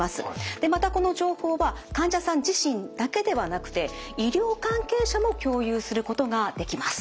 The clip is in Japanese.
またこの情報は患者さん自身だけではなくて医療関係者も共有することができます。